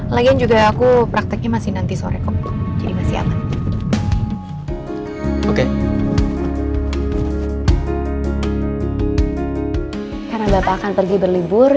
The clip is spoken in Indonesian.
lagian juga aku prakteknya masih nanti sore kok jadi masih aman oke karena bapak akan pergi berlibur